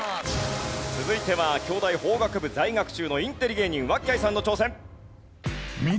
続いては京大法学部在学中のインテリ芸人わっきゃいさんの挑戦。